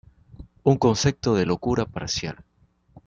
Un concepto de locura parcial.